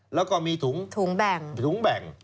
แล้วก็มีถุงแบ่ง